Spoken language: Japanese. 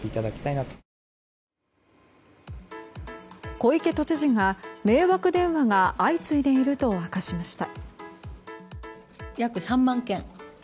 小池都知事が迷惑電話が相次いでいると明かしました。